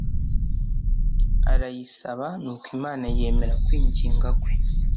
arayisaba nuko imana yemera kwinginga kwe